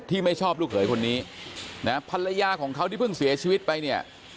ไม่ชอบลูกเขยคนนี้นะภรรยาของเขาที่เพิ่งเสียชีวิตไปเนี่ย